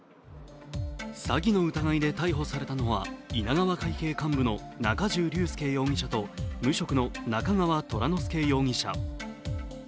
詐欺の疑いで逮捕されたのは稲川会系幹部の中重玲介容疑者と無職の中川虎之輔容疑者。